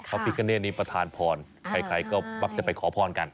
พิกเนตนี้ประธานพรใครก็มักจะไปขอพรกัน